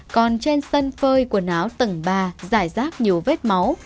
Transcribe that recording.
còn trên sân phơi quần áo tầng ba giải rác nhiều vết máu